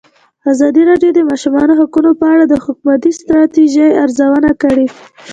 ازادي راډیو د د ماشومانو حقونه په اړه د حکومتي ستراتیژۍ ارزونه کړې.